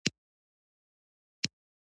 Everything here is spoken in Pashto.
غږ د منځنۍ پرته نه خپرېږي.